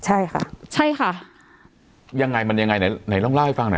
ใช่ค่ะใช่ค่ะยังไงมันยังไงไหนไหนลองเล่าให้ฟังหน่อย